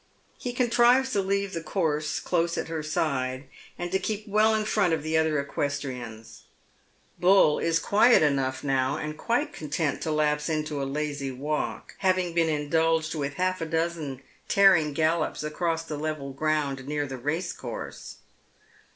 He contrives to leave the course close at her side, and to keep well in front of the other equestrians. Bull is quiet enough now and quite content to lapse into a lazy walk, liaving been indulged with half a dozen tearing gallons across the level fr>"ound near Tilberry SteepUcTiaee. 209 the raceconrse.